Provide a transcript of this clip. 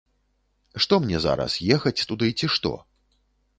Што мне зараз, ехаць туды, ці што?